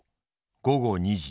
午後二時。